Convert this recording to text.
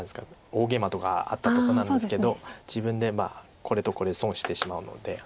大ゲイマとかあったとこなんですけど自分でこれとこれ損してしまうので。